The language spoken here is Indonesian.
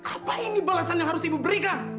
apa ini balasan yang harus ibu berikan